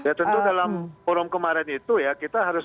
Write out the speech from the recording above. ya tentu dalam forum kemarin itu ya kita harus